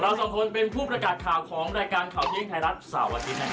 สองคนเป็นผู้ประกาศข่าวของรายการข่าวเที่ยงไทยรัฐเสาร์อาทิตย์